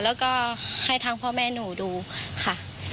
แล้วก็ให้ทางพ่อแม่หนูดูค่ะ